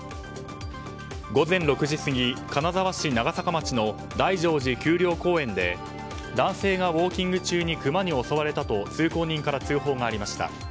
午前６時過ぎ、金沢市長坂町の大乗寺丘陵公園で男性がウォーキング中にクマに襲われたと通行人から通報がありました。